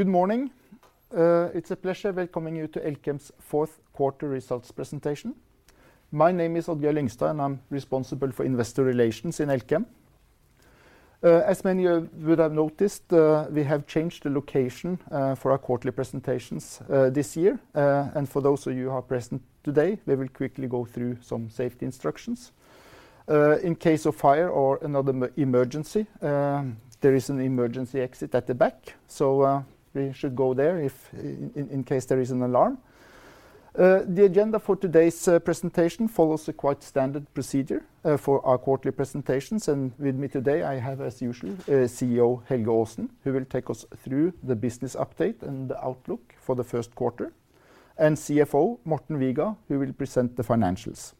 Good morning. It's a pleasure welcoming you to Elkem's fourth quarter results presentation. My name is Odd-Geir Lyngstad. I'm responsible for Investor Relations in Elkem. As many of you would have noticed, we have changed the location for our quarterly presentations this year. For those of you who are present today, we will quickly go through some safety instructions. In case of fire or another emergency, there is an emergency exit at the back. We should go there if in case there is an alarm. The agenda for today's presentation follows a quite standard procedure for our quarterly presentations. With me today, I have, as usual, CEO Helge Aasen, who will take us through the business update and outlook for the first quarter, and CFO Morten Viga, who will present the financials.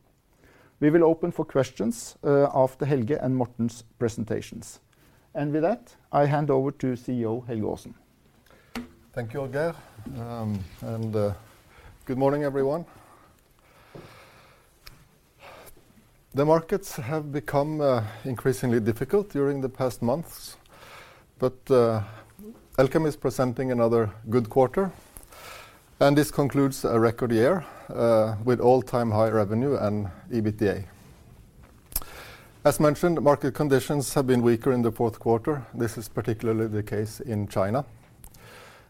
We will open for questions, after Helge and Morten's presentations. With that, I hand over to CEO Helge Aasen. Thank you, Odd-Geir, good morning, everyone. The markets have become increasingly difficult during the past months. Elkem is presenting another good quarter, and this concludes a record year with all-time high revenue and EBITDA. As mentioned, market conditions have been weaker in the fourth quarter. This is particularly the case in China,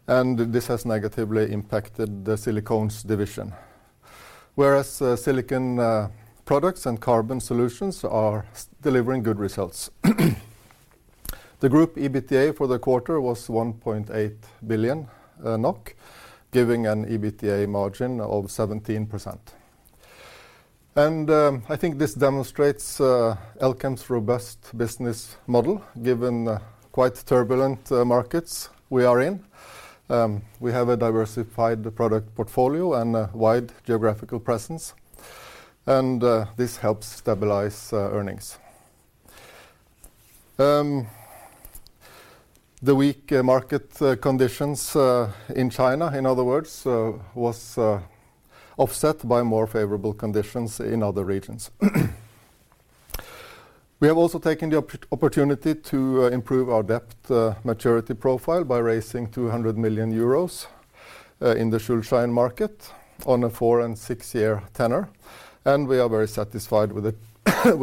this has negatively impacted the Silicones division. Whereas, Silicon Products and Carbon Solutions are delivering good results. The group EBITDA for the quarter was 1.8 billion NOK, giving an EBITDA margin of 17%. I think this demonstrates Elkem's robust business model, given the quite turbulent markets we are in. We have a diversified product portfolio and a wide geographical presence, this helps stabilize earnings. The weak market conditions in China, in other words, was offset by more favorable conditions in other regions. We have also taken the opportunity to improve our debt maturity profile by raising 200 million euros in the Schuldschein market on a four and six-year tenor, and we are very satisfied with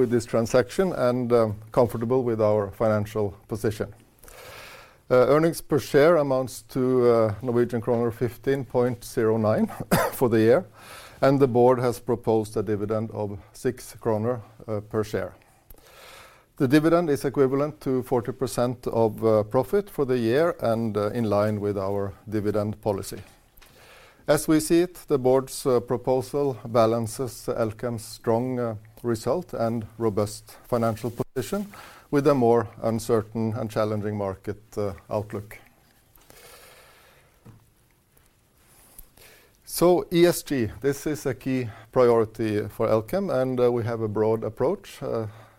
this transaction and comfortable with our financial position. Earnings per share amounts to Norwegian kroner 15.09 for the year, and the board has proposed a dividend of 6 kroner per share. The dividend is equivalent to 40% of profit for the year and in line with our dividend policy. As we see it, the board's proposal balances Elkem's strong result and robust financial position with a more uncertain and challenging market outlook. ESG, this is a key priority for Elkem, and we have a broad approach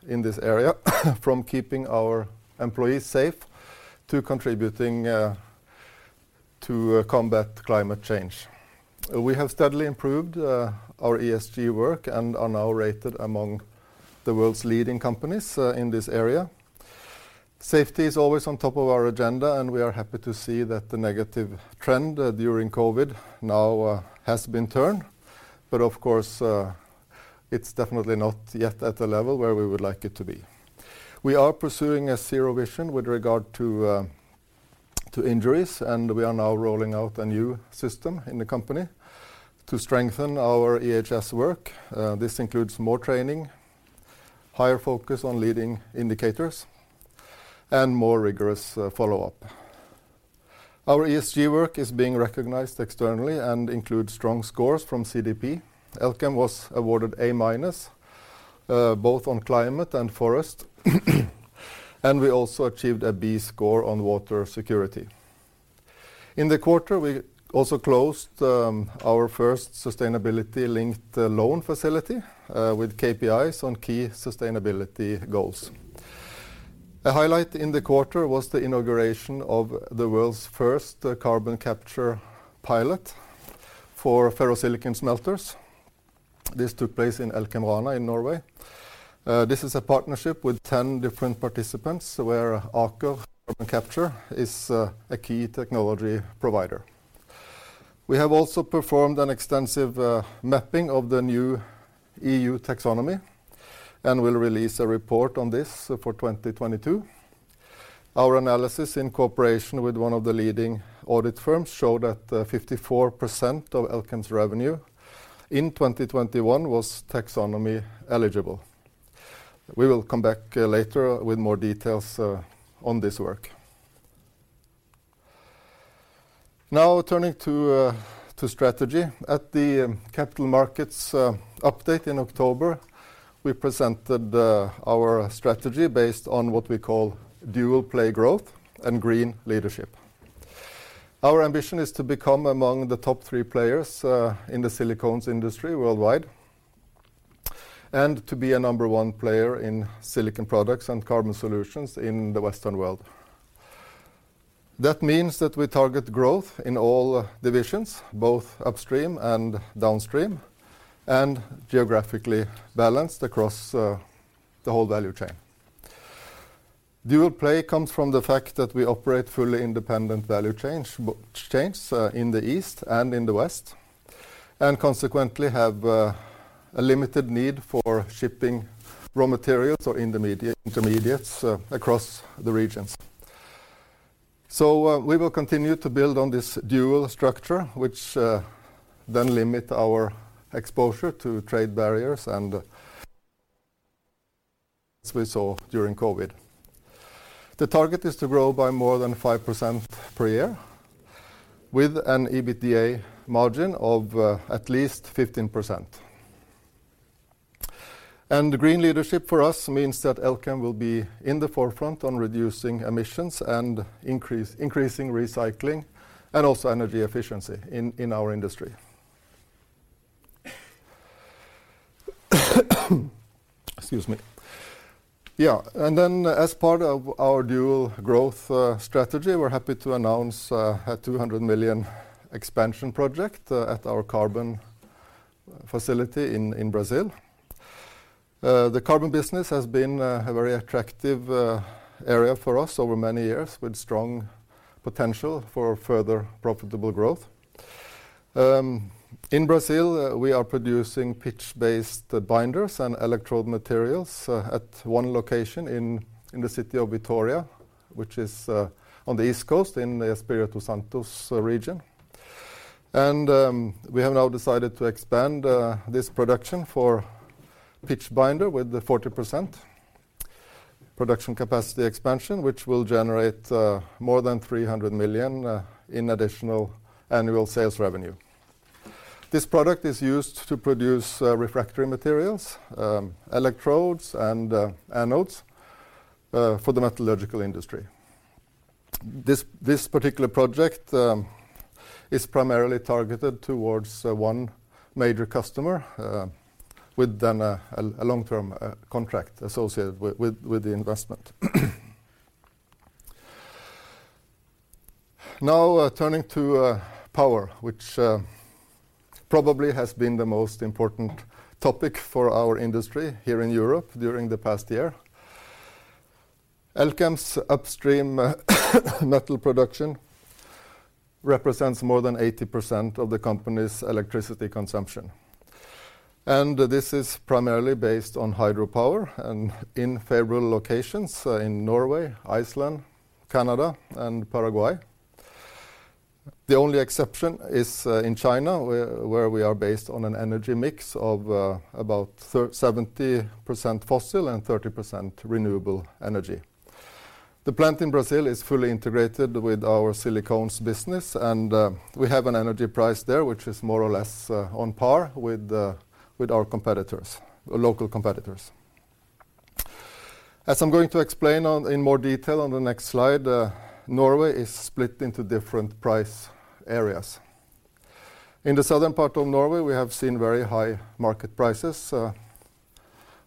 in this area, from keeping our employees safe to contributing to combat climate change. We have steadily improved our ESG work and are now rated among the world's leading companies in this area. Safety is always on top of our agenda, and we are happy to see that the negative trend during COVID now has been turned. Of course, it's definitely not yet at the level where we would like it to be. We are pursuing a zero vision with regard to to injuries, and we are now rolling out a new system in the company to strengthen our EHS work. This includes more training, higher focus on leading indicators, and more rigorous follow-up. Our ESG work is being recognized externally and includes strong scores from CDP. Elkem was awarded A-, both on climate and forest, and we also achieved a B score on water security. In the quarter, we also closed our first sustainability-linked loan facility with KPIs on key sustainability goals. A highlight in the quarter was the inauguration of the world's first carbon capture pilot for ferrosilicon smelters. This took place in Elkem Rana in Norway. This is a partnership with 10 different participants, where Aker Carbon Capture is a key technology provider. We have also performed an extensive mapping of the new EU Taxonomy and will release a report on this for 2022. Our analysis in cooperation with one of the leading audit firms show that 54% of Elkem's revenue in 2021 was taxonomy eligible. We will come back later with more details on this work. Now turning to strategy. At the capital markets update in October, we presented our strategy based on what we call dual-play growth and green leadership. Our ambition is to become among the top three players in the Silicones industry worldwide and to be a number one player in Silicon Products and Carbon Solutions in the Western world. That means that we target growth in all divisions, both upstream and downstream, and geographically balanced across the whole value chain. Dual-play comes from the fact that we operate fully independent value chains, in the east and in the west, and consequently have a limited need for shipping raw materials or intermediates across the regions. We will continue to build on this dual structure, which then limit our exposure to trade barriers and as we saw during COVID. The target is to grow by more than 5% per year with an EBITDA margin of at least 15%. Green leadership for us means that Elkem will be in the forefront on reducing emissions and increasing recycling and also energy efficiency in our industry. Excuse me. As part of our dual growth strategy, we're happy to announce a 200 million expansion project at our carbon facility in Brazil. The carbon business has been a very attractive area for us over many years with strong potential for further profitable growth. In Brazil, we are producing pitch-based binders and electrode materials at one location in the city of Vitória, which is on the east coast in the Espírito Santo region. We have now decided to expand this production for pitch binder with the 40% production capacity expansion, which will generate more than 300 million in additional annual sales revenue. This product is used to produce refractory materials, electrodes and anodes for the metallurgical industry. This particular project is primarily targeted towards one major customer with a long-term contract associated with the investment. Turning to power, which probably has been the most important topic for our industry here in Europe during the past year. Elkem's upstream metal production represents more than 80% of the company's electricity consumption, this is primarily based on hydropower and in favorable locations in Norway, Iceland, Canada, and Paraguay. The only exception is in China, where we are based on an energy mix of about 70% fossil and 30% renewable energy. The plant in Brazil is fully integrated with our Silicones business, we have an energy price there which is more or less on par with our competitors, local competitors. As I'm going to explain in more detail on the next slide, Norway is split into different price areas. In the southern part of Norway, we have seen very high market prices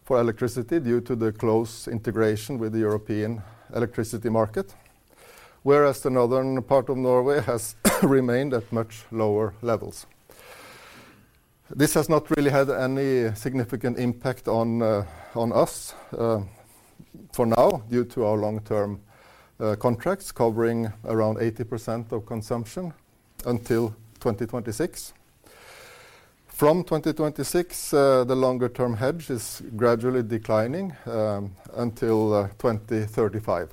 for electricity due to the close integration with the European electricity market, whereas the northern part of Norway has remained at much lower levels. This has not really had any significant impact on us for now due to our long-term contracts covering around 80% of consumption until 2026. From 2026, the longer-term hedge is gradually declining until 2035.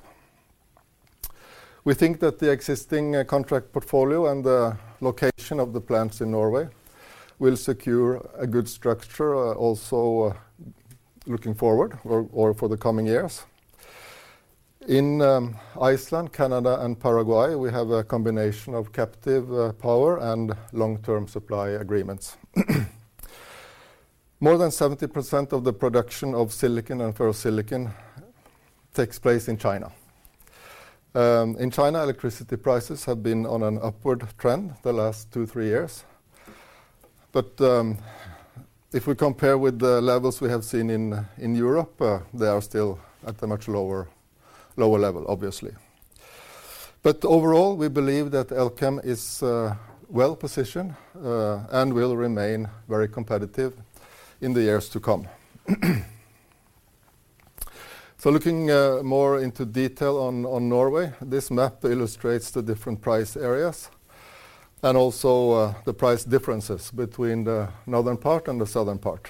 We think that the existing contract portfolio and the location of the plants in Norway will secure a good structure also looking forward or for the coming years. In Iceland, Canada, and Paraguay, we have a combination of captive power and long-term supply agreements. More than 70% of the production of silicon and ferrosilicon takes place in China. In China, electricity prices have been on an upward trend the last two, three years. If we compare with the levels we have seen in Europe, they are still at a much lower level, obviously. Overall, we believe that Elkem is well-positioned and will remain very competitive in the years to come. Looking more into detail on Norway, this map illustrates the different price areas and also the price differences between the northern part and the southern part.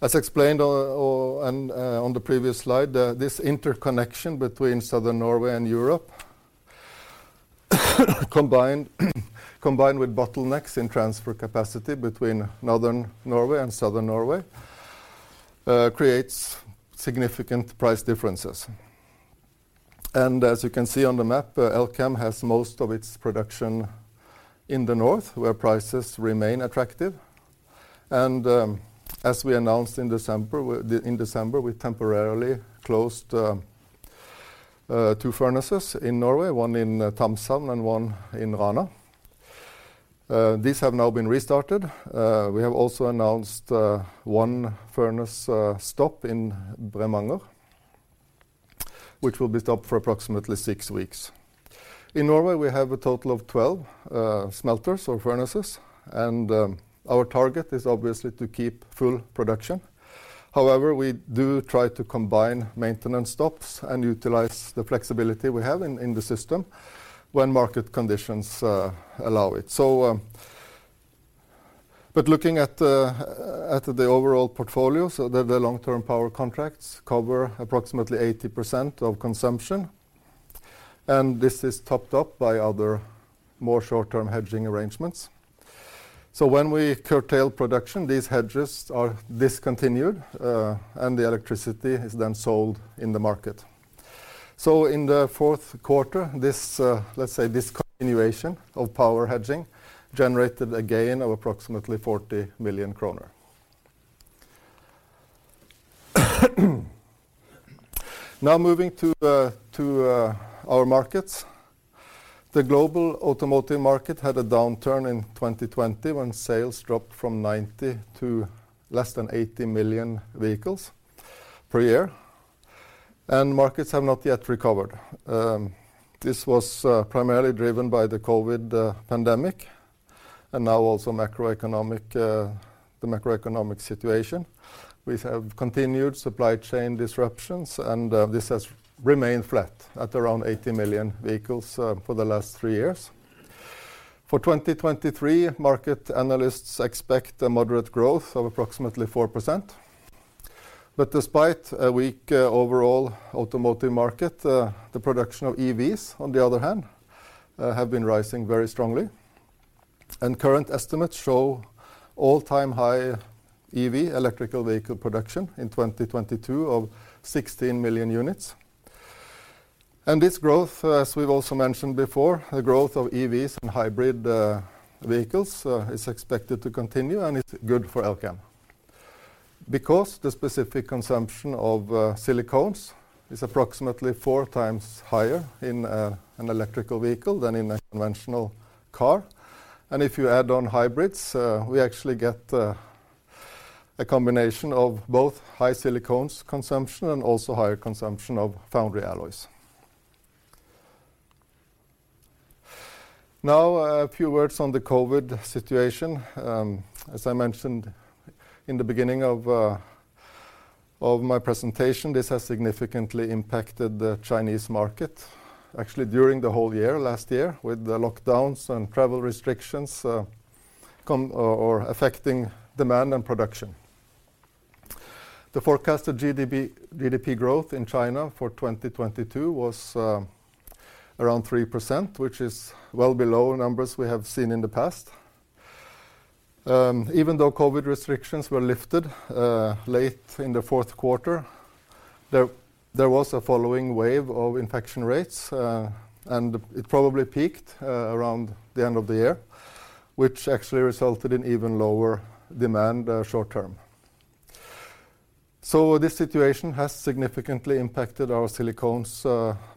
As explained on the previous slide, this interconnection between southern Norway and Europe, combined with bottlenecks in transfer capacity between northern Norway and southern Norway, creates significant price differences. As you can see on the map, Elkem has most of its production in the north, where prices remain attractive. As we announced in December, in December, we temporarily closed two furnaces in Norway, one in Thamshavn and one in Rana. These have now been restarted. We have also announced one furnace stop in Bremanger, which will be stopped for approximately six weeks. In Norway, we have a total of 12 smelters or furnaces, and our target is obviously to keep full production. However, we do try to combine maintenance stops and utilize the flexibility we have in the system when market conditions allow it. Looking at the overall portfolio, the long-term power contracts cover approximately 80% of consumption, and this is topped up by other more short-term hedging arrangements. When we curtail production, these hedges are discontinued, and the electricity is then sold in the market. In the fourth quarter, this, let's say, discontinuation of power hedging generated a gain of approximately 40 million kroner. Now moving to our markets. The global automotive market had a downturn in 2020 when sales dropped from 90 million to less than 80 million vehicles per year, and markets have not yet recovered. This was primarily driven by the COVID pandemic and now also macroeconomic, the macroeconomic situation. We have continued supply chain disruptions, and this has remained flat at around 80 million vehicles for the last three years. For 2023, market analysts expect a moderate growth of approximately 4%. Despite a weak overall automotive market, the production of EVs, on the other hand, have been rising very strongly. Current estimates show all-time high EV, electrical vehicle, production in 2022 of 16 million units. This growth, as we've also mentioned before, the growth of EVs and hybrid vehicles is expected to continue, and it's good for Elkem. Because the specific consumption of Silicones is approximately four times higher in an electrical vehicle than in a conventional car, and if you add on hybrids, we actually get a combination of both high Silicones consumption and also higher consumption of Foundry Alloys. Now, a few words on the COVID situation. As I mentioned in the beginning of my presentation, this has significantly impacted the Chinese market, actually during the whole year, last year, with the lockdowns and travel restrictions, affecting demand and production. The forecasted GDP growth in China for 2022 was around 3%, which is well below numbers we have seen in the past. Even though COVID restrictions were lifted late in the fourth quarter, there was a following wave of infection rates, and it probably peaked around the end of the year, which actually resulted in even lower demand short-term. This situation has significantly impacted our Silicones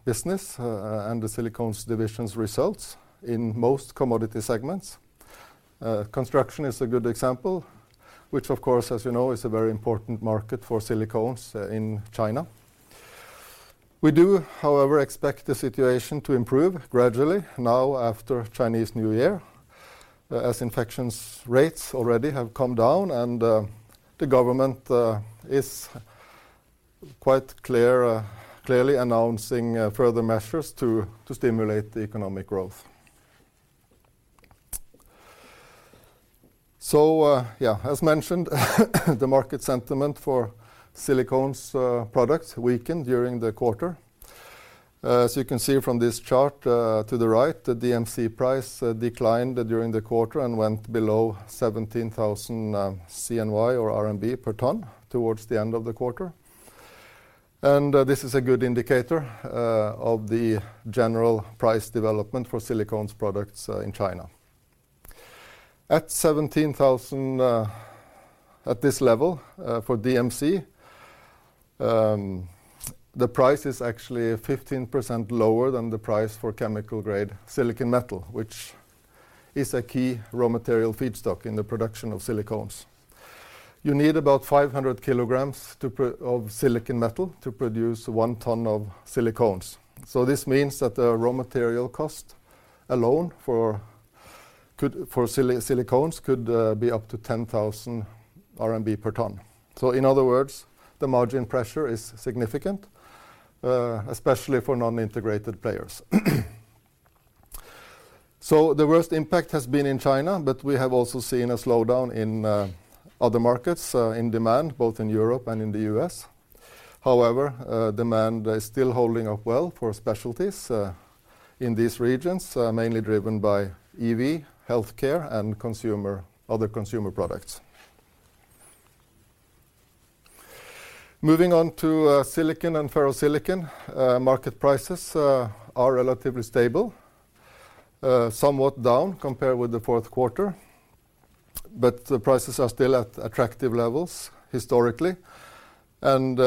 business, and the Silicones division's results in most commodity segments. Construction is a good example, which of course, as you know, is a very important market for Silicones in China. We do, however, expect the situation to improve gradually now after Chinese New Year, as infections rates already have come down and the government is quite clear, clearly announcing further measures to stimulate the economic growth. Yeah, as mentioned, the market sentiment for Silicones products weakened during the quarter. As you can see from this chart, to the right, the DMC price declined during the quarter and went below 17,000 CNY or RMB per ton towards the end of the quarter. This is a good indicator of the general price development for Silicones products in China. At 17,000, at this level, for DMC, the price is actually 15% lower than the price for chemical-grade silicon metal, which is a key raw material feedstock in the production of Silicones. You need about 500 kilograms of silicon metal to produce one ton of Silicones. This means that the raw material cost alone for Silicones could be up to 10,000 RMB per ton. In other words, the margin pressure is significant, especially for non-integrated players. The worst impact has been in China, but we have also seen a slowdown in other markets in demand, both in Europe and in the U.S. However, demand is still holding up well for specialties in these regions, mainly driven by EV, healthcare, and consumer, other consumer products. Moving on to silicon and ferrosilicon, market prices are relatively stable, somewhat down compared with the fourth quarter, but the prices are still at attractive levels historically, and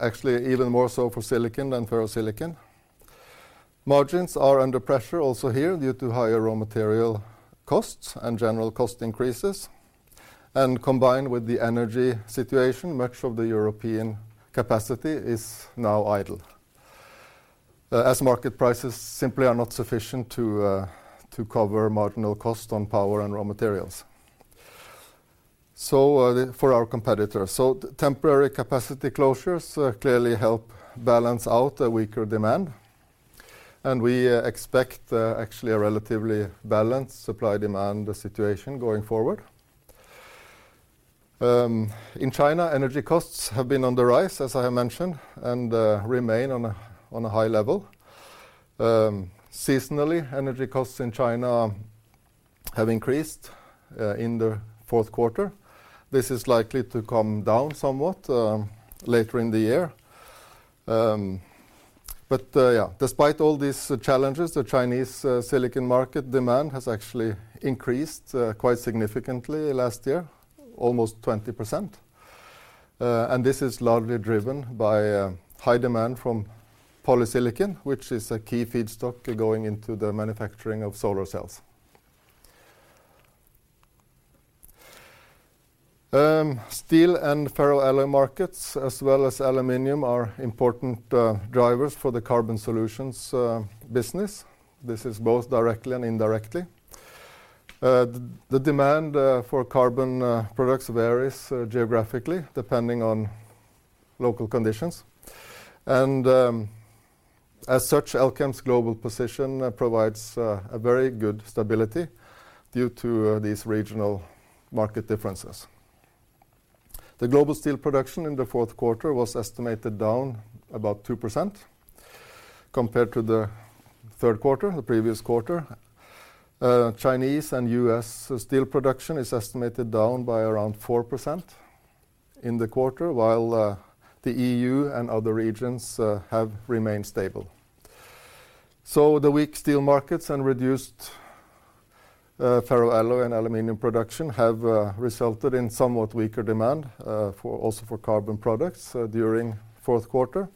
actually even more so for silicon than ferrosilicon. Margins are under pressure also here due to higher raw material costs and general cost increases. Combined with the energy situation, much of the European capacity is now idle, as market prices simply are not sufficient to cover marginal cost on power and raw materials. For our competitors. Temporary capacity closures clearly help balance out a weaker demand, and we expect, actually, a relatively balanced supply-demand situation going forward. In China, energy costs have been on the rise, as I have mentioned, and remain on a high level. Seasonally, energy costs in China have increased in the fourth quarter. This is likely to come down somewhat later in the year. Yeah, despite all these challenges, the Chinese silicon market demand has actually increased quite significantly last year, almost 20%. This is largely driven by high demand from polysilicon, which is a key feedstock going into the manufacturing of solar cells. Steel and ferroalloy markets, as well as aluminum, are important drivers for the Carbon Solutions business. This is both directly and indirectly. The demand for carbon products varies geographically, depending on local conditions. As such, Elkem's global position provides a very good stability due to these regional market differences. The global steel production in the fourth quarter was estimated down about 2% compared to the third quarter, the previous quarter. Chinese and U.S. steel production is estimated down by around 4% in the quarter, while the EU and other regions have remained stable. The weak steel markets and reduced ferroalloy and aluminum production have resulted in somewhat weaker demand also for carbon products during fourth quarter.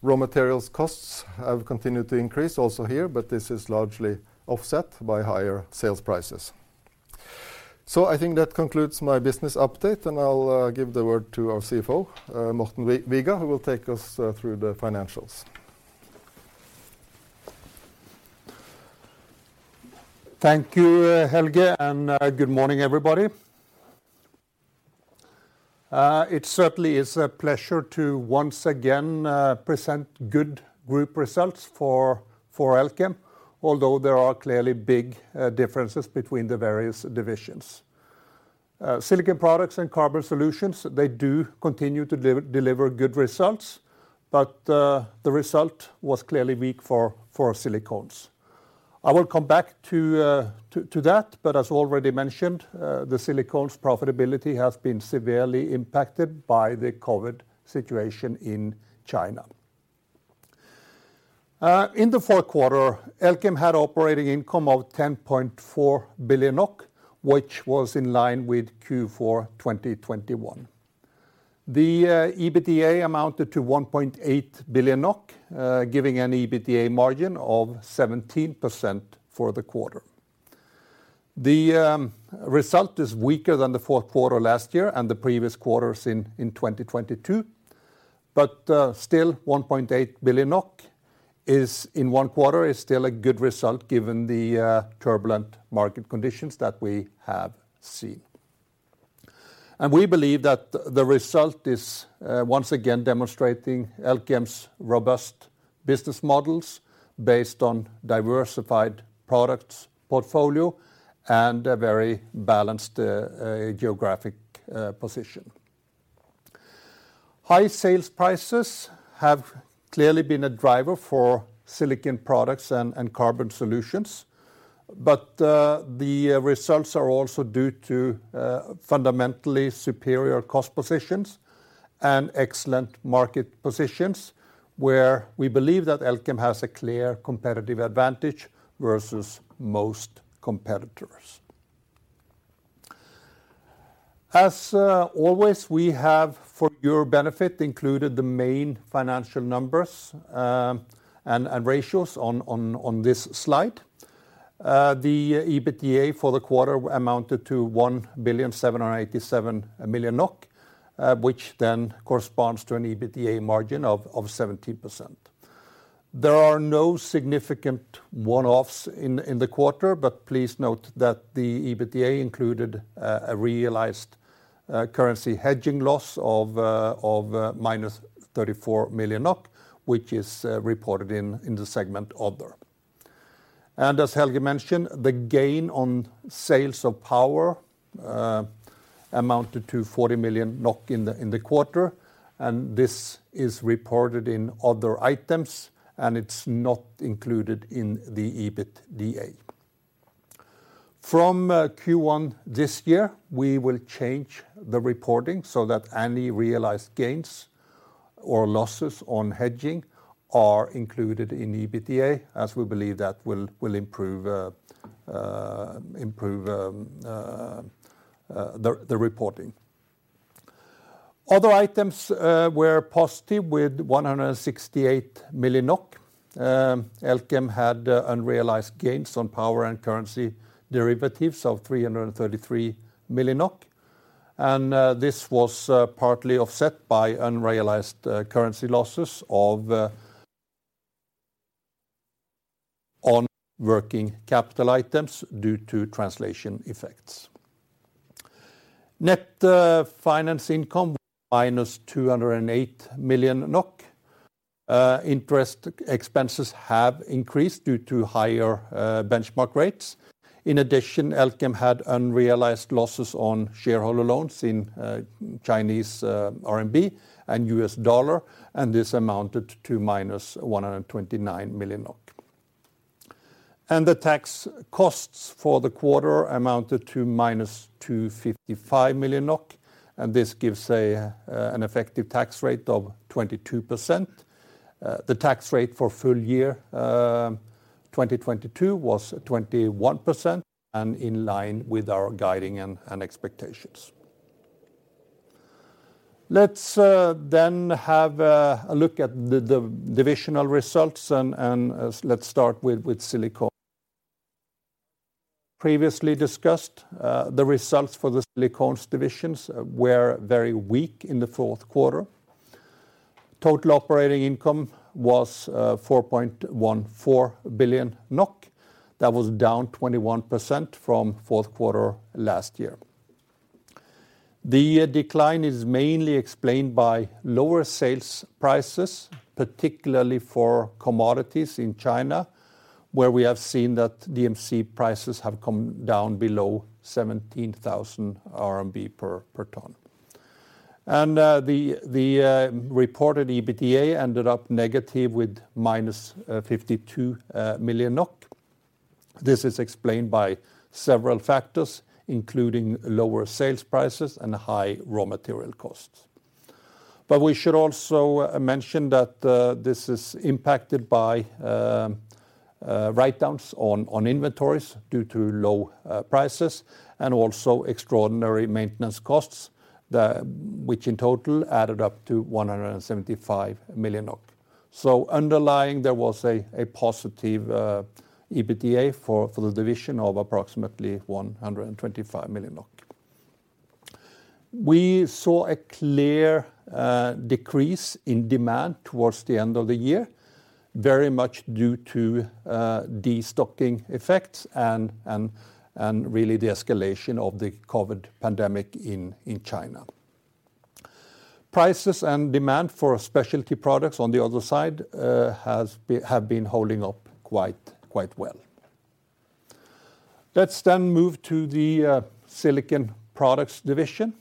Raw materials costs have continued to increase also here, but this is largely offset by higher sales prices. I think that concludes my business update, and I'll give the word to our CFO, Morten Viga, who will take us through the financials. Thank you, Helge, good morning, everybody. It certainly is a pleasure to, once again, present good group results for Elkem, although there are clearly big differences between the various divisions. Silicon Products and Carbon Solutions, they do continue to deliver good results, the result was clearly weak for Silicones. I will come back to that, as already mentioned, the Silicones profitability has been severely impacted by the COVID situation in China. In the fourth quarter, Elkem had operating income of 10.4 billion, which was in line with Q4 2021. The EBITDA amounted to 1.8 billion NOK, giving an EBITDA margin of 17% for the quarter. The result is weaker than the fourth quarter last year and the previous quarters in 2022, but still 1.8 billion NOK is, in one quarter, is still a good result given the turbulent market conditions that we have seen. We believe that the result is once again demonstrating Elkem's robust business models based on diversified products portfolio and a very balanced geographic position. High sales prices have clearly been a driver for Silicon Products and Carbon Solutions, but the results are also due to fundamentally superior cost positions and excellent market positions where we believe that Elkem has a clear competitive advantage versus most competitors. As always, we have, for your benefit, included the main financial numbers and ratios on this slide. The EBITDA for the quarter amounted to 1,787 million NOK, which corresponds to an EBITDA margin of 17%. There are no significant one-offs in the quarter, but please note that the EBITDA included a realized currency hedging loss of -34 million NOK, which is reported in the segment other. As Helge mentioned, the gain on sales of power amounted to 40 million NOK in the quarter, and this is reported in other items, and it's not included in the EBITDA. From Q1 this year, we will change the reporting so that any realized gains or losses on hedging are included in EBITDA, as we believe that will improve the reporting. Other items were positive with 168 million. Elkem had unrealized gains on power and currency derivatives of 333 million NOK. This was partly offset by unrealized currency losses on working capital items due to translation effects. Net finance income -208 million NOK. Interest expenses have increased due to higher benchmark rates. In addition, Elkem had unrealized losses on shareholder loans in Chinese RMB and U.S. dollar, this amounted to -129 million NOK. The tax costs for the quarter amounted to -255 million NOK, and this gives an effective tax rate of 22%. The tax rate for full year 2022 was 21% and in line with our guiding and expectations. Let's have a look at the divisional results and let's start with Silicones. Previously discussed, the results for the Silicones divisions were very weak in the fourth quarter. Total operating income was 4.14 billion NOK. That was down 21% from fourth quarter last year. The decline is mainly explained by lower sales prices, particularly for commodities in China, where we have seen that DMC prices have come down below 17,000 RMB per ton. The reported EBITDA ended up negative with -52 million NOK. This is explained by several factors, including lower sales prices and high raw material costs. We should also mention that this is impacted by writedowns on inventories due to low prices and also extraordinary maintenance costs, which in total added up to 175 million NOK. Underlying, there was a positive EBITDA for the division of approximately 125 million NOK. We saw a clear decrease in demand towards the end of the year, very much due to destocking effects and really the escalation of the COVID pandemic in China. Prices and demand for specialty products on the other side have been holding up quite well. Let's move to the Silicon Products division.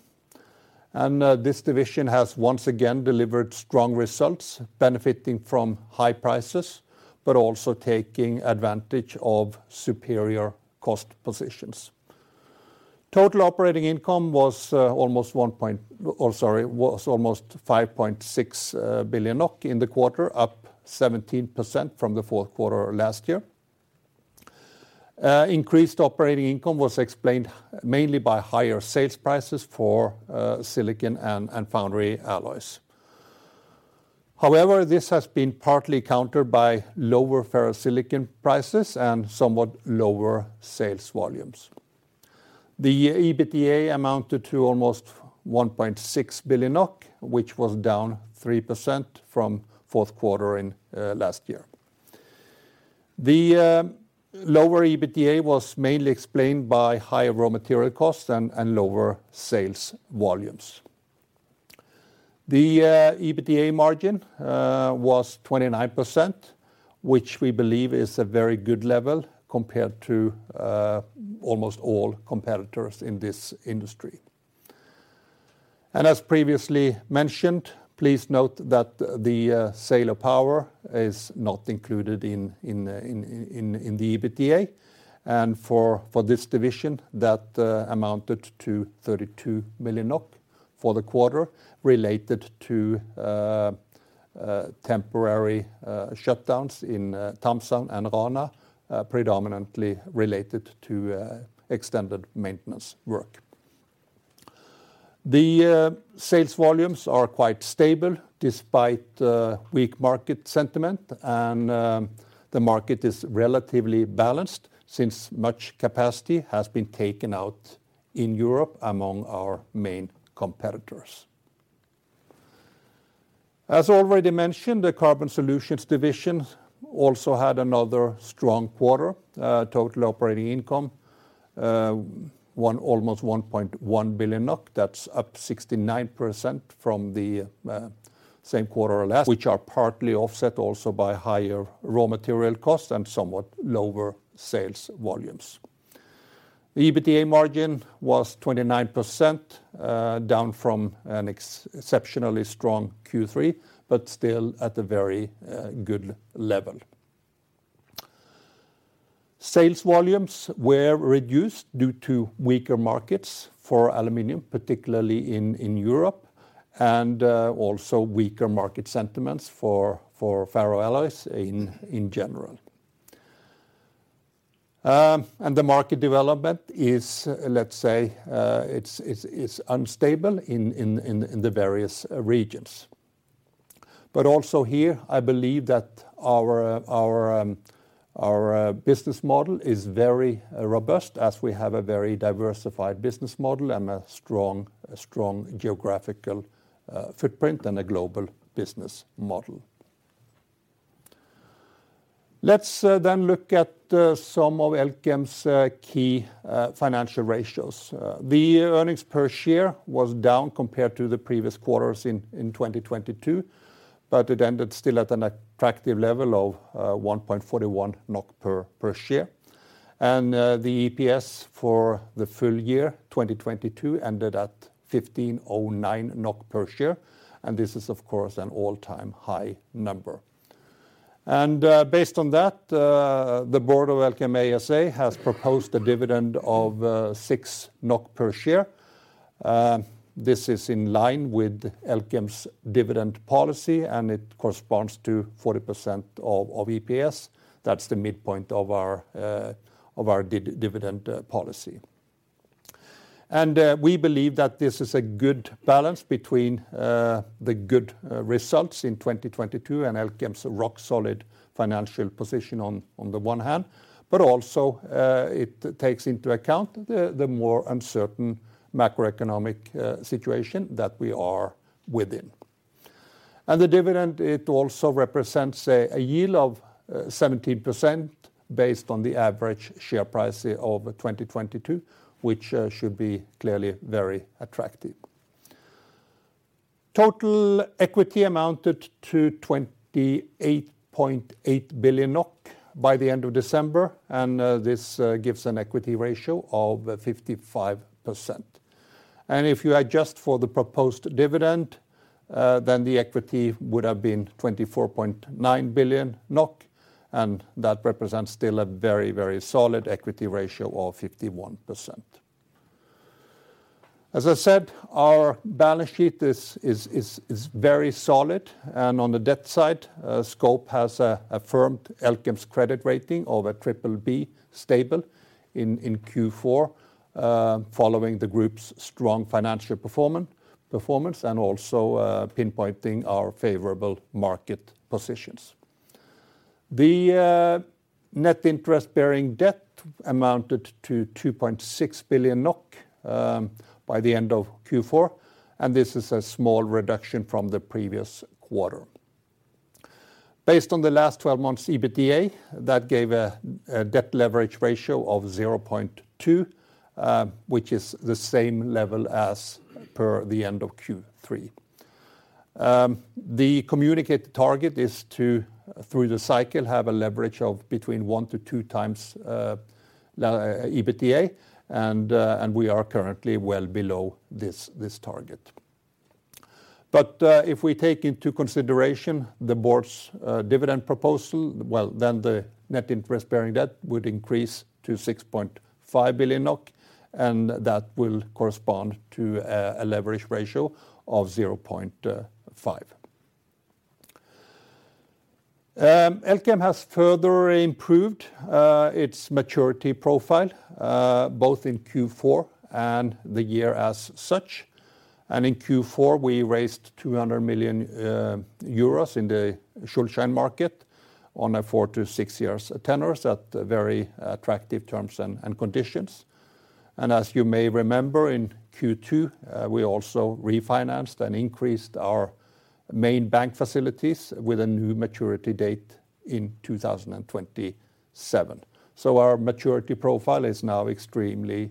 This division has once again delivered strong results, benefiting from high prices, but also taking advantage of superior cost positions. Total operating income was almost 5.6 billion NOK in the quarter, up 17% from the fourth quarter last year. Increased operating income was explained mainly by higher sales prices for silicon and foundry alloys. However, this has been partly countered by lower ferrosilicon prices and somewhat lower sales volumes. The EBITDA amounted to almost 1.6 billion NOK, which was down 3% from fourth quarter in last year. The lower EBITDA was mainly explained by higher raw material costs and lower sales volumes. The EBITDA margin was 29%, which we believe is a very good level compared to almost all competitors in this industry. As previously mentioned, please note that the sale of power is not included in the EBITDA. For this division, that amounted to 32 million NOK for the quarter related to temporary shutdowns in Thamshavn and Rana, predominantly related to extended maintenance work. The sales volumes are quite stable despite weak market sentiment and the market is relatively balanced since much capacity has been taken out in Europe among our main competitors. As already mentioned, the Carbon Solutions division also had another strong quarter, total operating income almost 1.1 billion NOK. That's up 69% from the same quarter last, which are partly offset also by higher raw material costs and somewhat lower sales volumes. The EBITDA margin was 29% down from an exceptionally strong Q3, but still at a very good level. Sales volumes were reduced due to weaker markets for aluminum, particularly in Europe, also weaker market sentiments for ferroalloys in general. The market development is, let's say, it's unstable in the various regions. Also here, I believe that our business model is very robust as we have a very diversified business model and a strong geographical footprint and a global business model. Let's then look at some of Elkem's key financial ratios. The Earnings Per Share was down compared to the previous quarters in 2022, but it ended still at an attractive level of 1.41 NOK per share. The EPS for the full year 2022 ended at 15.09 NOK per share, and this is of course an all-time high number. Based on that, the board of Elkem ASA has proposed a dividend of 6 NOK per share. This is in line with Elkem's dividend policy, and it corresponds to 40% of EPS. That's the midpoint of our dividend policy. We believe that this is a good balance between the good results in 2022 and Elkem's rock-solid financial position on the one hand, but also it takes into account the more uncertain macroeconomic situation that we are within. The dividend, it also represents a yield of 17% based on the average share price of 2022, which should be clearly very attractive. Total equity amounted to 28.8 billion NOK by the end of December. This gives an equity ratio of 55%. If you adjust for the proposed dividend, then the equity would have been 24.9 billion NOK, and that represents still a very, very solid equity ratio of 51%. As I said, our balance sheet is very solid. On the debt side, Scope has affirmed Elkem's credit rating of a BBB/Stable in Q4, following the group's strong financial performance and also pinpointing our favorable market positions. The net interest-bearing debt amounted to 2.6 billion NOK by the end of Q4. This is a small reduction from the previous quarter. Based on the last 12 months EBITDA, that gave a debt leverage ratio of 0.2, which is the same level as per the end of Q3. The communicated target is to, through the cycle, have a leverage of between 1x-2x EBITDA, and we are currently well below this target. If we take into consideration the board's dividend proposal, well, then the net interest-bearing debt would increase to 6.5 billion NOK, and that will correspond to a leverage ratio of 0.5. Elkem has further improved its maturity profile both in Q4 and the year as such. In Q4, we raised 200 million euros in the Schuldschein market on a four to six years tenors at very attractive terms and conditions. As you may remember, in Q2, we also refinanced and increased our main bank facilities with a new maturity date in 2027. Our maturity profile is now extremely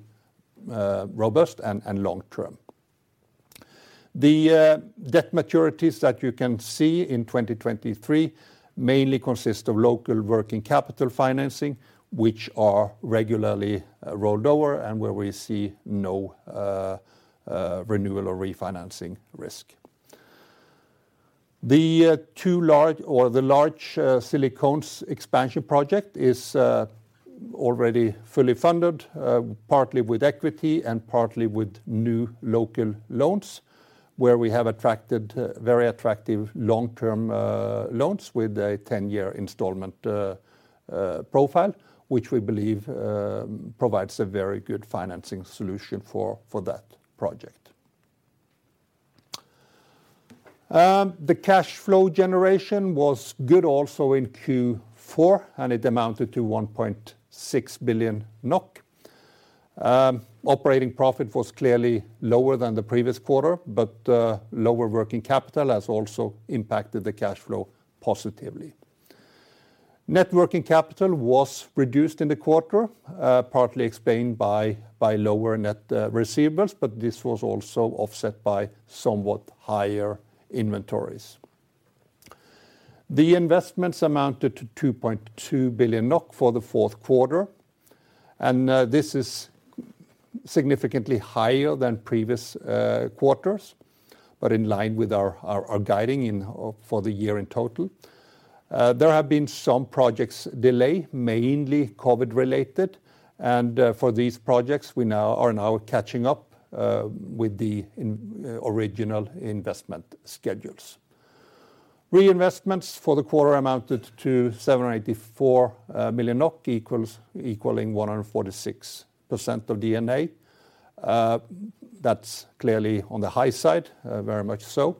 robust and long-term. The debt maturities that you can see in 2023 mainly consist of local working capital financing, which are regularly rolled over and where we see no renewal or refinancing risk. The two large or the large Silicones expansion project is already fully funded partly with equity and partly with new local loans, where we have attracted very attractive long-term loans with a 10-year installment profile, which we believe provides a very good financing solution for that project. The cash flow generation was good also in Q4, it amounted to 1.6 billion NOK. Operating profit was clearly lower than the previous quarter, lower working capital has also impacted the cash flow positively. Net working capital was reduced in the quarter, partly explained by lower net receivables, but this was also offset by somewhat higher inventories. The investments amounted to 2.2 billion NOK for the fourth quarter. This is significantly higher than previous quarters, but in line with our guiding for the year in total. There have been some projects delay, mainly COVID-related. For these projects, we are now catching up with the original investment schedules. Reinvestments for the quarter amounted to 784 million NOK, equaling 146% of D&A. That's clearly on the high side, very much so.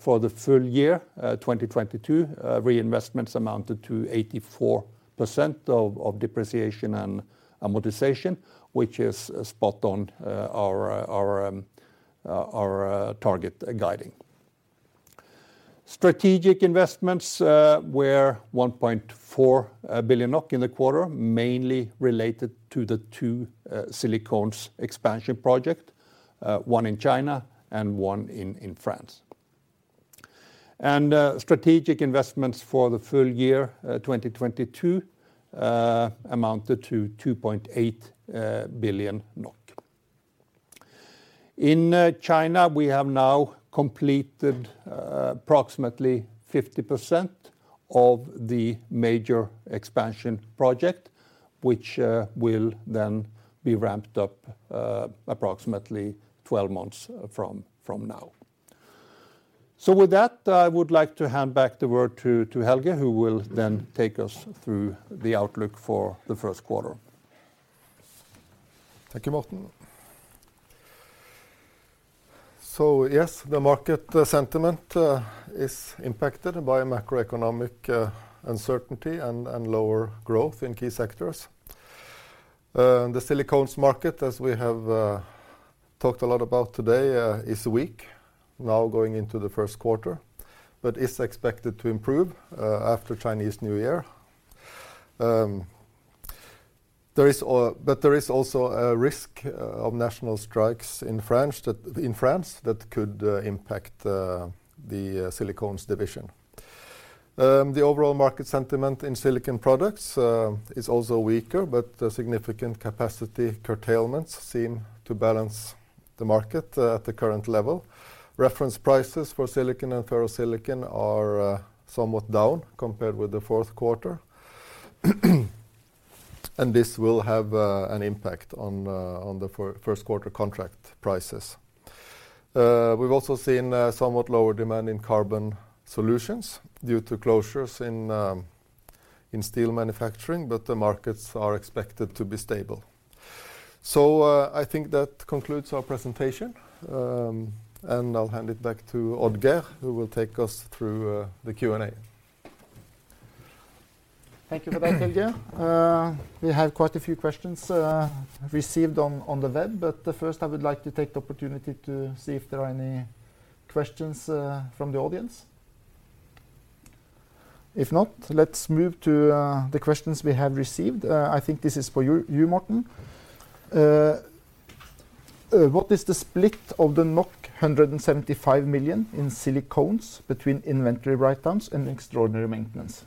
For the full year 2022, reinvestments amounted to 84% of depreciation and amortization, which is spot on our target guiding. Strategic investments were 1.4 billion NOK in the quarter, mainly related to the two Silicones expansion project, one in China and one in France. Strategic investments for the full year 2022 amounted to 2.8 billion NOK. In China, we have now completed approximately 50% of the major expansion project, which will then be ramped up approximately 12 months from now. With that, I would like to hand back the word to Helge, who will then take us through the outlook for the first quarter. Thank you, Morten. Yes, the market sentiment is impacted by macroeconomic uncertainty and lower growth in key sectors. The Silicones market, as we have talked a lot about today, is weak now going into the first quarter, but is expected to improve after Chinese New Year. There is also a risk of national strikes in France that could impact the Silicones division. The overall market sentiment in Silicon Products is also weaker, but significant capacity curtailments seem to balance the market at the current level. Reference prices for silicon and ferrosilicon are somewhat down compared with the fourth quarter. This will have an impact on the first quarter contract prices. We've also seen somewhat lower demand in Carbon Solutions due to closures in steel manufacturing, but the markets are expected to be stable. I think that concludes our presentation, and I'll hand it back to Odd-Geir, who will take us through the Q&A. Thank you for that, Helge. We have quite a few questions received on the web, but first, I would like to take the opportunity to see if there are any questions from the audience. If not, let's move to the questions we have received. I think this is for you, Morten. What is the split of the 175 million in Silicones between inventory write downs and extraordinary maintenance?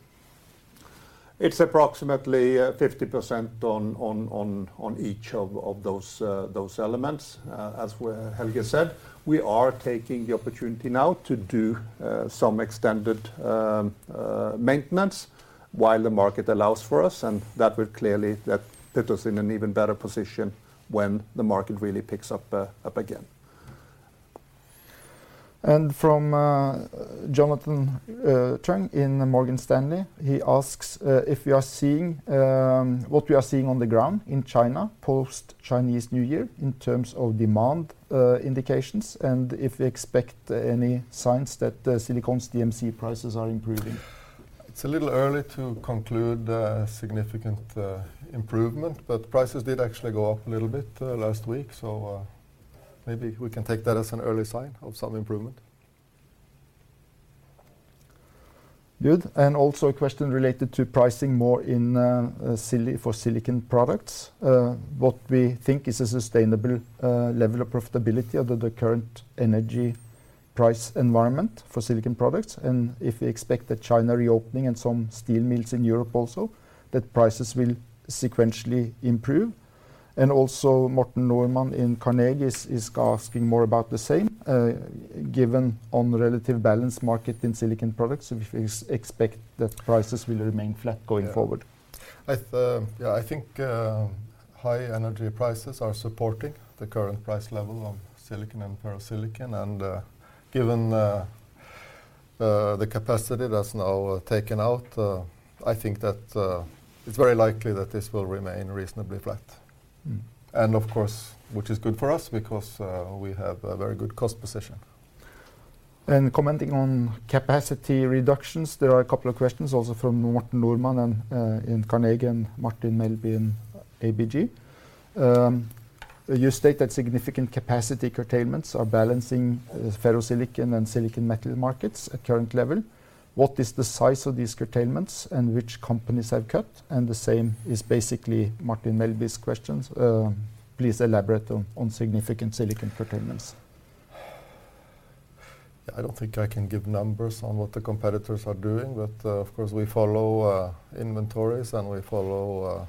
It's approximately 50% on each of those elements, as Helge said. We are taking the opportunity now to do some extended maintenance while the market allows for us, and that will clearly put us in an even better position when the market really picks up again. From Jonathan Cheung in Morgan Stanley, he asks if we are seeing what we are seeing on the ground in China post Chinese New Year in terms of demand indications, and if we expect any signs that the Silicones DMC prices are improving. It's a little early to conclude a significant improvement. Prices did actually go up a little bit last week. Maybe we can take that as an early sign of some improvement. Good. A question related to pricing more in for Silicon Products? What we think is a sustainable level of profitability under the current energy price environment for Silicon Products, and if we expect that China reopening and some steel mills in Europe also, that prices will sequentially improve? Morten Normann in Carnegie is asking more about the same, given on relative balanced market in Silicon Products, if we expect that prices will remain flat going forward. Yeah, I think high energy prices are supporting the current price level of silicon and ferrosilicon, and given the capacity that's now taken out, I think that it's very likely that this will remain reasonably flat. Mm-hmm. Of course, which is good for us because, we have a very good cost position. Commenting on capacity reductions, there are a couple of questions also from Morten Normann in Carnegie, and Martin Melbye in ABG. You state that significant capacity curtailments are balancing ferrosilicon and silicon metal markets at current level. What is the size of these curtailments and which companies have cut? The same is basically Martin Melbye's questions. Please elaborate on significant silicon curtailments. I don't think I can give numbers on what the competitors are doing, but, of course, we follow inventories, and we follow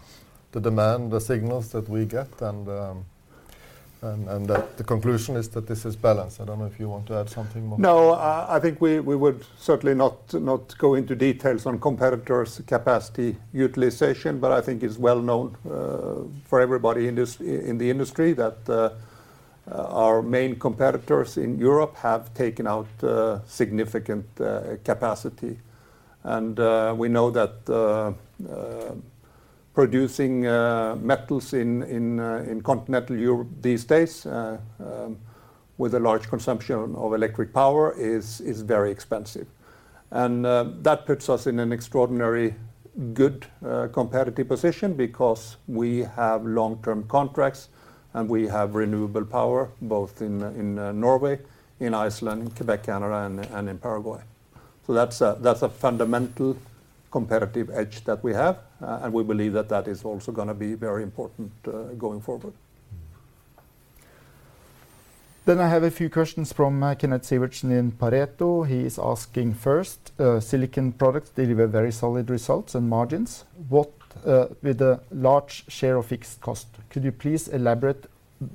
the demand, the signals that we get, and the conclusion is that this is balanced. I don't know if you want to add something more. No, I think we would certainly not go into details on competitors' capacity utilization, but I think it's well known for everybody in the industry that our main competitors in Europe have taken out significant capacity, and we know that producing metals in continental Europe these days with a large consumption of electric power is very expensive. That puts us in an extraordinary good competitive position because we have long-term contracts, and we have renewable power, both in Norway, in Iceland, in Quebec, Canada, and in Paraguay. That's a, that's a fundamental competitive edge that we have, and we believe that that is also gonna be very important going forward. I have a few questions from Kenneth Sivertsen in Pareto. He is asking first, Silicon Products deliver very solid results and margins. What, with the large share of fixed cost, could you please elaborate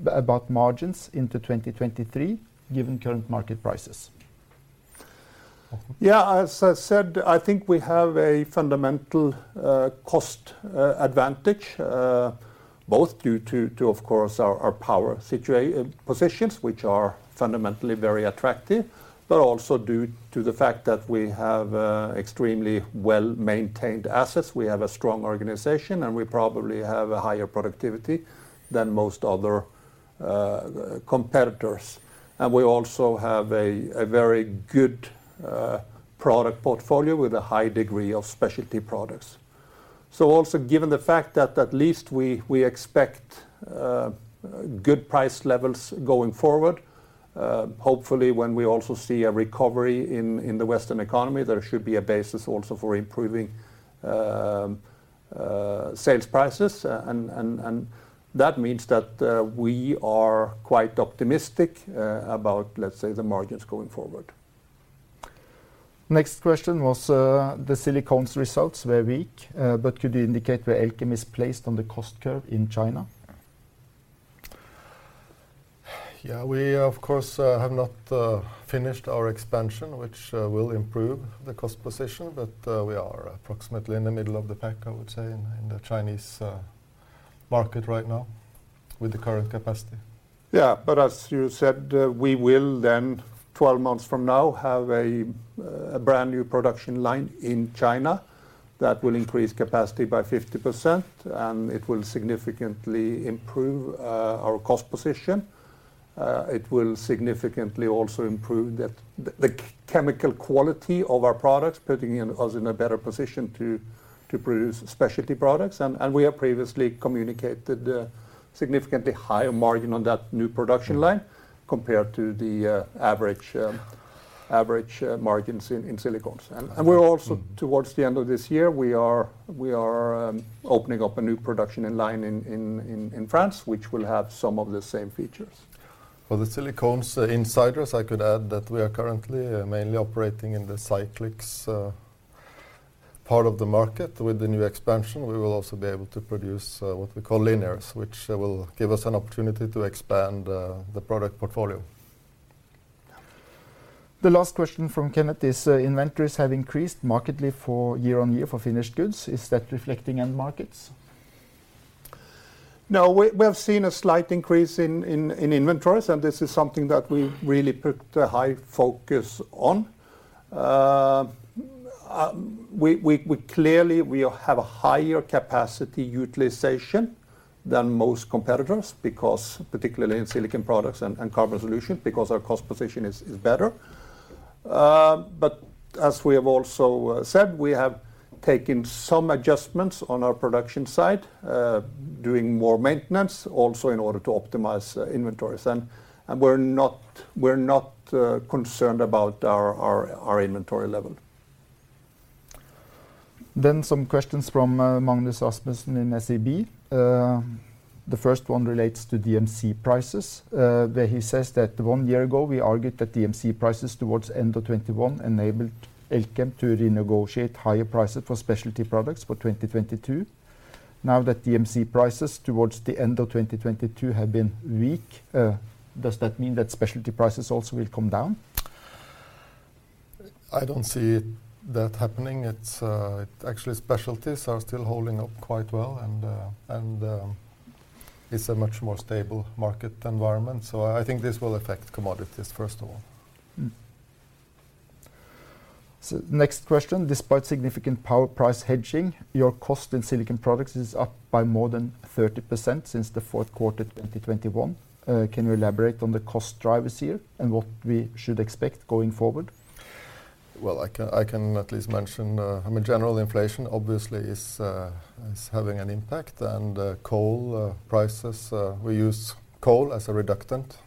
about margins into 2023 given current market prices? As I said, I think we have a fundamental cost advantage both due to of course our power positions, which are fundamentally very attractive, but also due to the fact that we have extremely well-maintained assets. We have a strong organization, and we probably have a higher productivity than most other competitors. We also have a very good product portfolio with a high degree of specialty products. Also given the fact that at least we expect good price levels going forward, hopefully when we also see a recovery in the Western economy, there should be a basis also for improving sales prices. That means that we are quite optimistic about, let's say, the margins going forward. Next question was, the Silicones results were weak, but could you indicate where Elkem is placed on the cost curve in China? We of course, have not, finished our expansion, which, will improve the cost position, but, we are approximately in the middle of the pack, I would say, in the Chinese market right now with the current capacity. As you said, we will then 12 months from now have a brand-new production line in China that will increase capacity by 50%, and it will significantly improve our cost position. It will significantly also improve the chemical quality of our products, putting us in a better position to produce specialty products. We have previously communicated a significantly higher margin on that new production line compared to the average margins in Silicones. We're also, towards the end of this year, we are opening up a new production line in France, which will have some of the same features. For the Silicones insiders, I could add that we are currently, mainly operating in the cyclics part of the market. With the new expansion, we will also be able to produce what we call linears, which will give us an opportunity to expand the product portfolio. The last question from Kenneth is inventories have increased markedly for year-on-year for finished goods. Is that reflecting end markets? No. We have seen a slight increase in inventories, and this is something that we've really put a high focus on. We clearly, we have a higher capacity utilization than most competitors because particularly in Silicon Products and Carbon Solutions, because our cost position is better. As we have also said, we have taken some adjustments on our production side, doing more maintenance also in order to optimize inventories. We're not concerned about our inventory level. Some questions from Magnus Melvær Rasmussen in SEB. The first one relates to DMC prices, where he says that one year ago we argued that DMC prices towards end of 2021 enabled Elkem to renegotiate higher prices for specialty products for 2022. Now that DMC prices towards the end of 2022 have been weak, does that mean that specialty prices also will come down? I don't see that happening. It's. Actually, specialties are still holding up quite well, and it's a much more stable market environment. I think this will affect commodities, first of all. Next question. Despite significant power price hedging, your cost in Silicon Products is up by more than 30% since the fourth quarter 2021. Can you elaborate on the cost drivers here and what we should expect going forward? Well, I can at least mention, I mean, general inflation obviously is having an impact, and coal prices. We use coal as a reductant,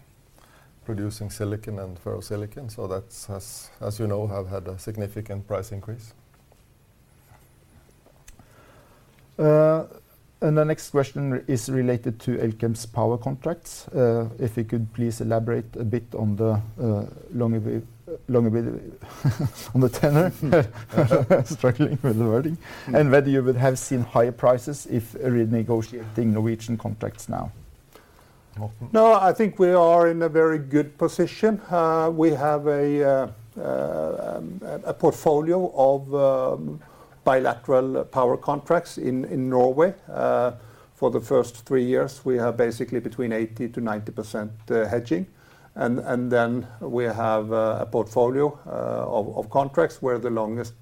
producing silicon and ferrosilicon, so that's, as you know, have had a significant price increase. The next question is related to Elkem's power contracts. If you could please elaborate a bit on the long availability on the tenor. Struggling with the wording. Whether you would have seen higher prices if renegotiating Norwegian contracts now? No, I think we are in a very good position. We have a portfolio of bilateral power contracts in Norway. For the first three years, we have basically between 80%-90% hedging and then we have a portfolio of contracts where the longest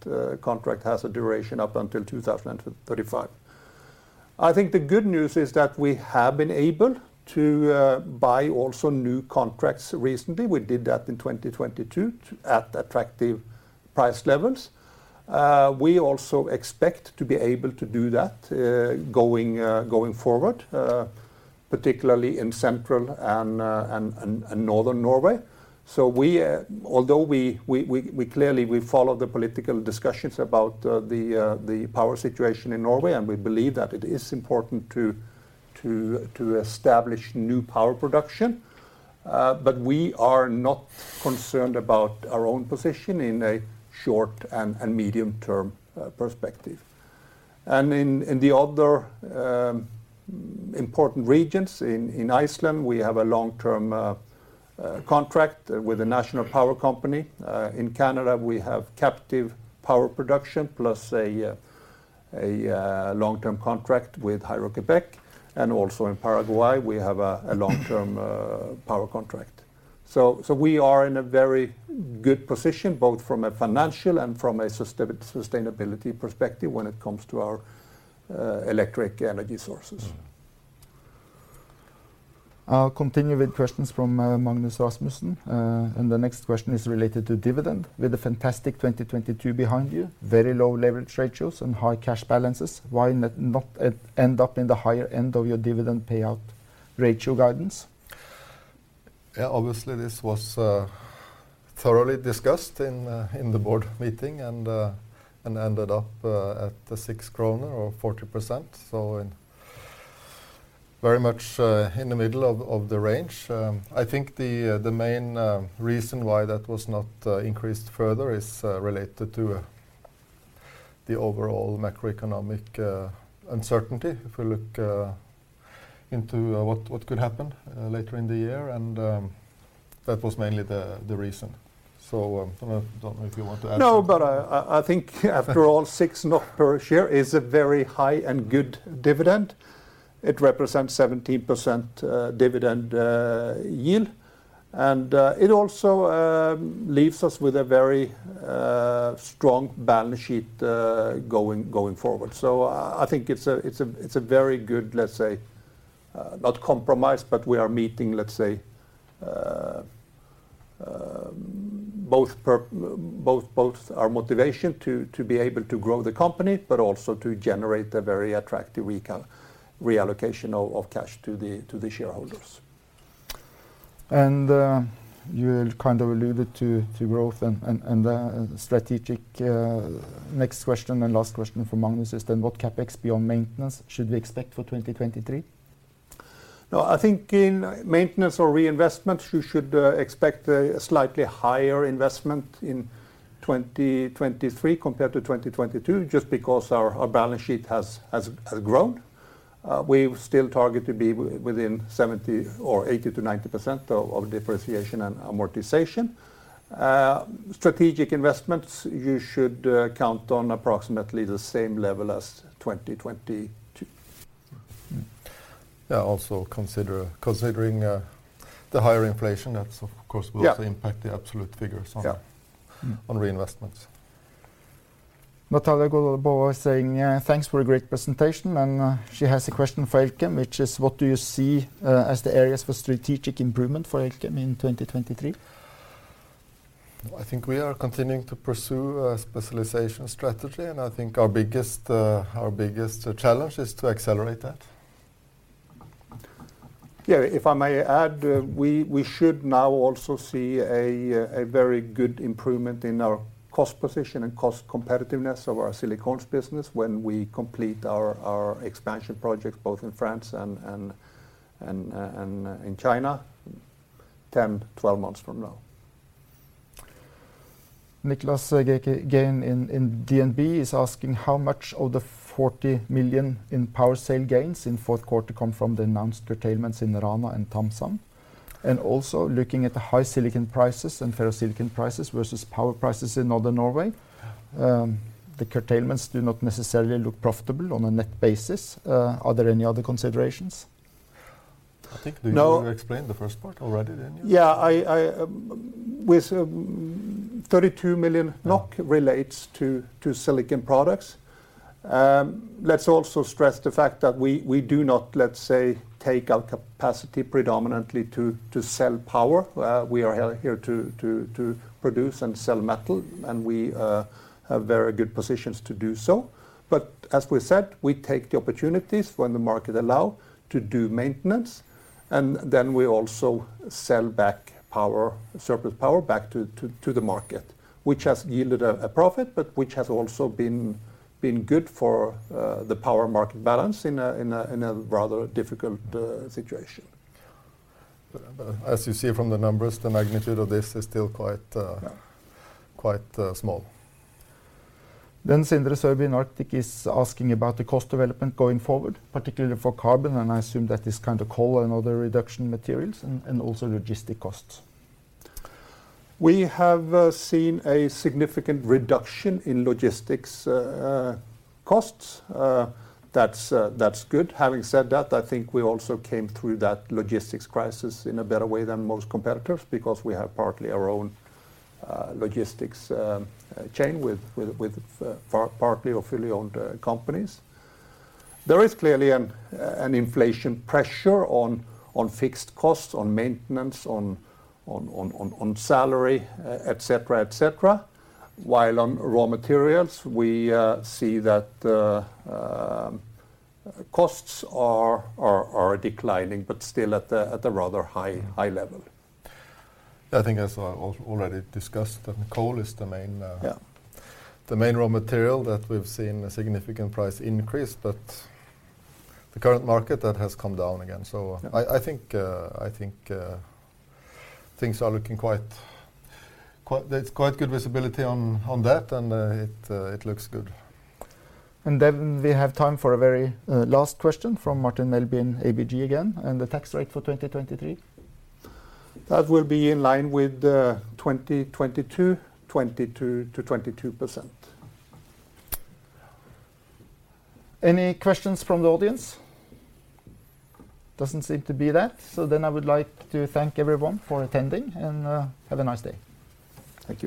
contract has a duration up until 2035. I think the good news is that we have been able to buy also new contracts recently. We did that in 2022 at attractive price levels. We also expect to be able to do that going forward, particularly in central and northern Norway. So although we clearly follow the political discussions about the power situation in Norway, and we believe that it is important to establish new power production, but we are not concerned about our own position in a short and medium-term perspective. In the other important regions in Iceland, we have a long-term contract with a national power company. In Canada, we have captive power production plus a long-term contract with Hydro-Québec. Also in Paraguay, we have a long-term power contract. So, we are in a very good position both from a financial and from a sustainability perspective when it comes to our electric energy sources. I'll continue with questions from Magnus Melvær Rasmussen. The next question is related to dividend. With a fantastic 2022 behind you, very low leverage ratios and high cash balances, why not end up in the higher end of your dividend payout ratio guidance? Yeah, obviously this was thoroughly discussed in the board meeting and ended up at 6 kroner or 40%, so and very much in the middle of the range. I think the main reason why that was not increased further is related to the overall macroeconomic uncertainty. If we look into what could happen later in the year, and that was mainly the reason. I don't know if you want to add something. I think after all, 6 per share is a very high and good dividend.It represents 17% dividend yield, and it also leaves us with a very strong balance sheet going forward. I think it's a very good, let's say, not compromise, but we are meeting, let's say, both our motivation to be able to grow the company but also to generate a very attractive reallocation of cash to the shareholders. You kind of alluded to growth and the strategic. Next question and last question from Magnus Melvær Rasmussen then what CapEx beyond maintenance should we expect for 2023? No, I think in maintenance or reinvestment, you should expect a slightly higher investment in 2023 compared to 2022, just because our balance sheet has grown. We still target to be within 70% or 80%-90% of D&A. Strategic investments, you should count on approximately the same level as 2022. Also considering the higher inflation, that of course will also impact the absolute figures on reinvestments. Natalia Golova saying, "Thanks for a great presentation." She has a question for Elkem, which is, "What do you see as the areas for strategic improvement for Elkem in 2023?" I think we are continuing to pursue a specialization strategy, and I think our biggest challenge is to accelerate that. Yeah, if I may add, we should now also see a very good improvement in our cost position and cost competitiveness of our Silicones business when we complete our expansion projects both in France and in China 10-12 months from now. Niclas Gehin in DNB is asking how much of the 40 million in power sale gains in fourth quarter come from the announced curtailments in Rana and Thamshavn. Also looking at the high silicon prices and ferrosilicon prices versus power prices in Northern Norway, the curtailments do not necessarily look profitable on a net basis. Are there any other considerations? You explained the first part already, didn't you? Yeah, I, with 32 million NOK relates to Silicon Products.Let's also stress the fact that we do not, let's say, take our capacity predominantly to sell power. We are here to produce and sell metal, and we have very good positions to do so. As we said, we take the opportunities when the market allow to do maintenance, and then we also sell back power, surplus power back to the market, which has yielded a profit but which has also been good for the power market balance in a rather difficult situation. As you see from the numbers, the magnitude of this is still quite small. Sindre Sørbye in Arctic is asking about the cost development going forward, particularly for carbon, and I assume that is kind of coal and other reduction materials and also logistic costs. We have seen a significant reduction in logistics costs. That's good. Having said that, I think we also came through that logistics crisis in a better way than most competitors because we have partly our own logistics chain with partly or fully owned companies. There is clearly an inflation pressure on fixed costs, on maintenance, on salary, et cetera. While on raw materials, we see that costs are declining, but still at a rather high level.I think as I already discussed that coal is the main. Yeah. The main raw material that we've seen a significant price increase. The current market, that has come down again. I think, I think things are looking quite good visibility on that, and it looks good. We have time for a very last question from Martin Melbye in ABG again, and the tax rate for 2023? That will be in line with 2022, 22%-22%. Any questions from the audience? Doesn't seem to be that. I would like to thank everyone for attending and have a nice day. Thank you.